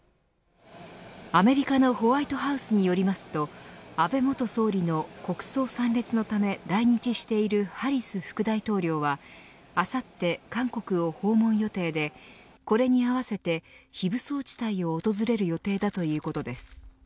アメリカのホワイトハウスによりますと安倍元総理の国葬参列のため来日しているハリス副大統領はあさって韓国を訪問予定でこれに合わせて、非武装地帯を訪れる予定だということです。